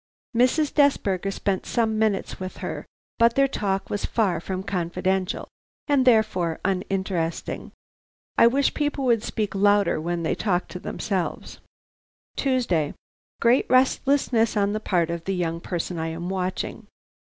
Mrs. Desberger spent some minutes with her, but their talk was far from confidential, and therefore uninteresting. I wish people would speak louder when they talk to themselves. "Tuesday. "Great restlessness on the part of the young person I am watching.